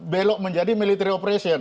belok menjadi military operation